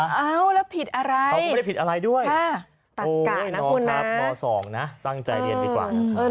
อ้าวแล้วผิดอะไรเขาก็ไม่ได้ผิดอะไรด้วยโอ้โฮนะครับม๒นะตั้งใจเรียนดีกว่า